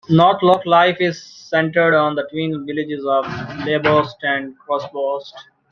North Lochs life is centred on the twin villages of Leurbost and Crossbost.